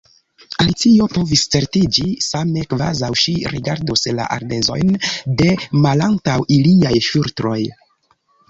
Alicio povis certiĝi, same kvazaŭ ŝi rigardus la ardezojn de malantaŭ iliaj ŝultroj.